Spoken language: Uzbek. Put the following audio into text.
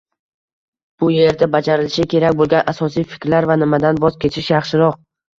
Bu erda bajarilishi kerak bo'lgan asosiy fikrlar va nimadan voz kechish yaxshiroq